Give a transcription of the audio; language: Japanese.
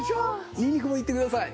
ニンニクもいってください。